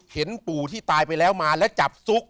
ปู่ที่ตายไปแล้วมาแล้วจับซุก